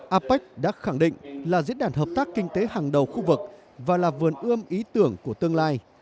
apec đã khẳng định là diễn đàn hợp tác kinh tế hàng đầu khu vực và là vườn ươm ý tưởng của tương lai